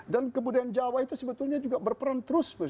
dan kebudayaan jawa itu sebetulnya juga berperan terus